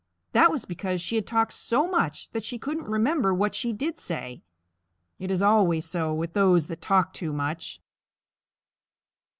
That was because she had talked so much that she couldn't remember what she did say. It is always so with those that talk too much.